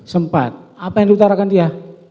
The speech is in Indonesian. sempat apa yang diutarakan dia